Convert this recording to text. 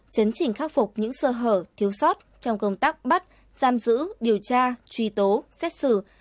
chấn trình khắc phục những sơ hở thiếu sót trong công tác bắt giam giữ điều tra truy tố xét xử